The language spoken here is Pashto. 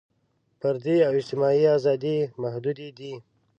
فردي او اجتماعي ازادۍ محدودې دي.